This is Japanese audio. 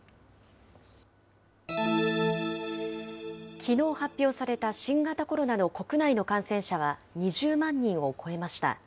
きのう発表された新型コロナの国内の感染者は２０万人を超えました。